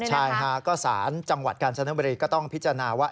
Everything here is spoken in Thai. ใช่ค่ะก็สารจังหวัดกาญจนบุรีก็ต้องพิจารณาว่า